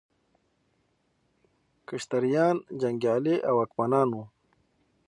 کشتریان جنګیالي او واکمنان وو.